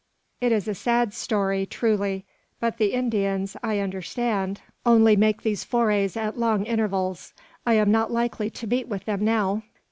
"It is a sad story, truly; but the Indians, I understand, only make these forays at long intervals. I am not likely to meet with them now.